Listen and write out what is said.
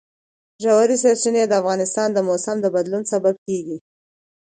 ژورې سرچینې د افغانستان د موسم د بدلون سبب کېږي.